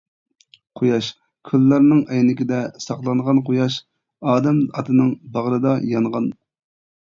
قۇياش كۈنلەرنىڭ ئەينىكىدە ساقلانغان قۇياش، ئادەم ئاتىنىڭ باغرىدا يانغان.